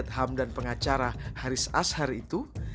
untuk pegiat ham dan pengacara haris ashar itu